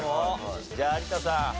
じゃあ有田さん。